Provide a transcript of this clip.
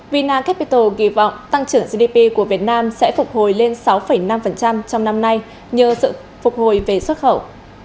vina capital kỳ vọng tăng trưởng gdp của việt nam sẽ phục hồi lên sáu năm trong năm nay nhờ sự phục hồi về xuất khẩu